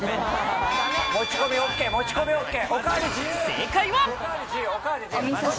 持ち込みＯＫ持ち込みＯＫ！